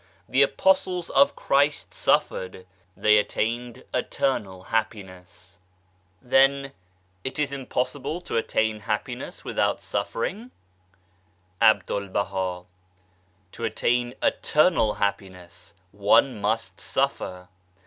The Apostles of Christ suffered : they attained eternal happiness. 1 ' THE FOUR KINDS OF LOVE 167 " Theft it is impossible to attain happiness without suffering ?" Abdul Baha. " To attain eternal happiness one must suffer.